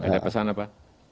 ada pesan apa